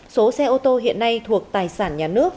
số xe ô tô hiện nay thuộc tài sản nhà nước